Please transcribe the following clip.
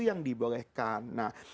yang dibolehkan nah